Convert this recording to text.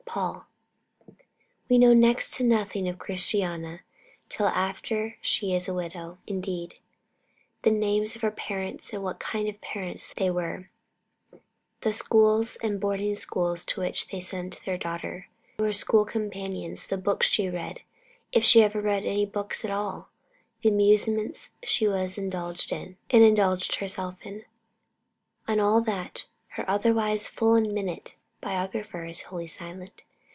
Paul. We know next to nothing of Christiana till after she is a widow indeed. The names of her parents, and what kind of parents they were, the schools and the boarding schools to which they sent their daughter, her school companions, the books she read, if she ever read any books at all, the amusements she was indulged in and indulged herself in on all that her otherwise full and minute biographer is wholly silent.